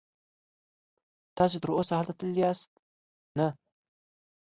تاسې تراوسه هلته تللي یاست؟ نه.